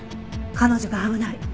彼女が危ない。